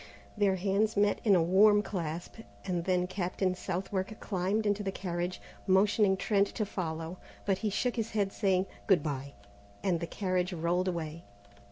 Their hands met in a warm clasp, and then Captain Southwark climbed into the carriage, motioning Trent to follow; but he shook his head saying, "Good bye!" and the carriage rolled away.